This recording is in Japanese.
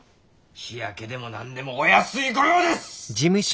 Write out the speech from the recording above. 日焼けでも何でもお安い御用です！